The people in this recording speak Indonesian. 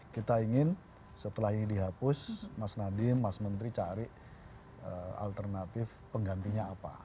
kita ingin setelah ini dihapus mas nadiem mas menteri cari alternatif penggantinya apa